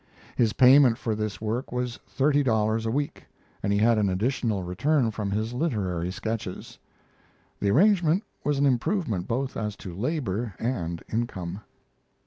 His payment for this work was thirty dollars a week, and he had an additional return from his literary sketches. The arrangement was an improvement both as to labor and income.